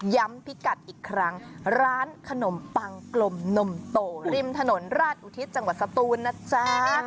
พิกัดอีกครั้งร้านขนมปังกลมนมโตริมถนนราชอุทิศจังหวัดสตูนนะจ๊ะ